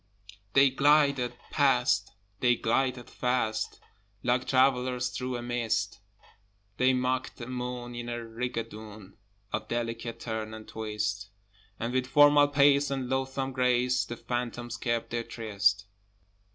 They glided past, they glided fast, Like travellers through a mist: They mocked the moon in a rigadoon Of delicate turn and twist, And with formal pace and loathsome grace The phantoms kept their tryst.